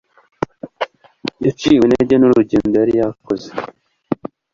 yaciwe intege nurugedo yari yakoze